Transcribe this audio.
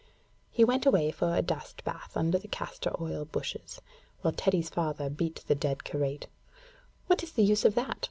He went away for a dust bath under the castor oil bushes, while Teddy's father beat the dead Karait. 'What is the use of that?'